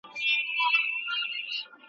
ښوونکی به درس ورکړي او دا به تدريس وي.